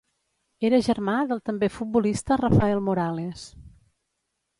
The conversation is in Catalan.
Era germà del també futbolista Rafael Morales.